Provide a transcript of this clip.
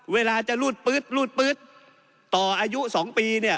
เวลาจะรูดปื๊ดรูดปื๊ดต่ออายุ๒ปีเนี่ย